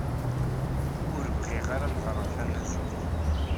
Ur bɣiɣ ara ad ɣreɣ tamaziɣt.